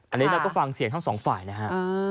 อันนี้เราก็ฟังเสียงทั้งสองฝ่ายนะฮะ